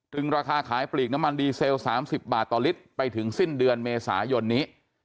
ราคาขายปลีกน้ำมันดีเซล๓๐บาทต่อลิตรไปถึงสิ้นเดือนเมษายนนี้